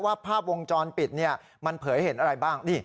ภาพวงจรปิดมันเผยเห็นอะไรบ้าง